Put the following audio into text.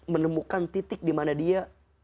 menemukan titik dimana dia